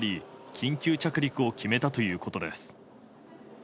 緊急着陸を決めたということです。